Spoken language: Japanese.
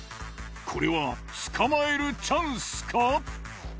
これは捕まえるチャンスか？